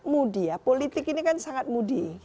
mudi ya politik ini kan sangat mudi